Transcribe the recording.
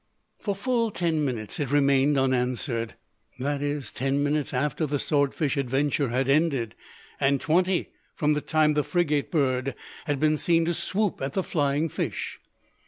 For full ten minutes it remained unanswered; that is, ten minutes after the sword fish adventure had ended, and twenty from the time the frigate bird had been seen to swoop at the flying fish.